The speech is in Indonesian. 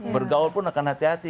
bergaul pun akan hati hati